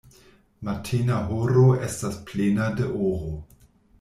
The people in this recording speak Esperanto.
Matena horo estas plena de oro.